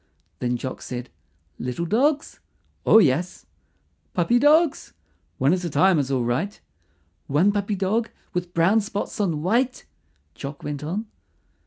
Then Jock said, "Little dogs?" "Oh, yes." "Puppy dogs?" "One at a time is all right." "One puppy dog with brown spots on white?" Jock went on.